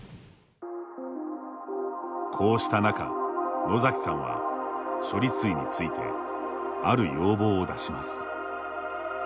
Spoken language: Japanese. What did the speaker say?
こうした中、野崎さんは処理水についてある要望を出します。